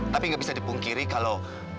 tapi nggak bisa dipungkiri kalau